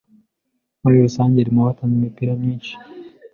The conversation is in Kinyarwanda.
Muri rusange ari mu batanze imipira myinshi